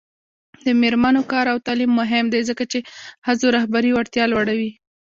د میرمنو کار او تعلیم مهم دی ځکه چې ښځو رهبري وړتیا لوړوي.